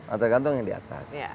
atau kantong yang di atas